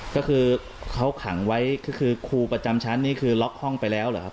ก็คือเขาขังไว้ก็คือครูประจำชั้นนี่คือล็อกห้องไปแล้วเหรอครับ